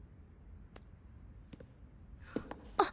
あっ！